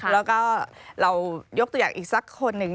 แล้วก็เรายกตัวอย่างอีกสักคนหนึ่ง